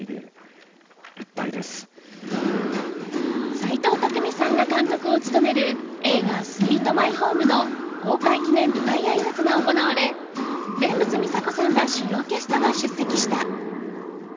齊藤工さんが監督を務める映画「スイート・マイホーム」の公開記念舞台あいさつが行われ蓮佛美沙子さんら主要キャストが出席した。